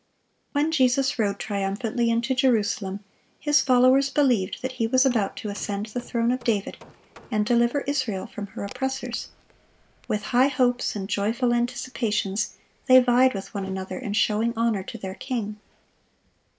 When Jesus rode triumphantly into Jerusalem, His followers believed that He was about to ascend the throne of David, and deliver Israel from her oppressors. With high hopes and joyful anticipations they vied with one another in showing honor to their King.